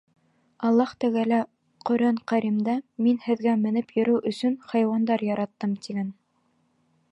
Аллаһ Тәғәлә «Ҡөрьән Кәрим»дә: «Мин һеҙгә менеп йөрөү өсөн хайуандар яраттым», — тигән.